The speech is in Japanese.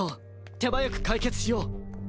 手早く解決しよう！